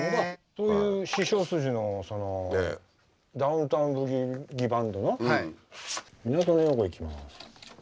そういう師匠筋のダウン・タウン・ブギウギ・バンドの「港のヨーコ」いきます。